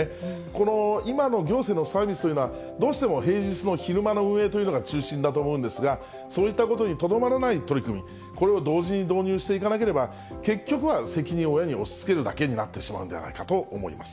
この今の行政のサービスというのは、どうしても平日の昼間の運営というのが中心だと思うんですが、そういったことにとどまらない取り組み、これを同時に導入していかなければ、結局は責任を親に押しつけるだけになってしまうんではないかなと思います。